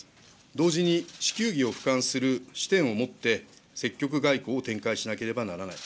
同時に地球儀をふかんする視点を持って、積極外交を展開しなければならない。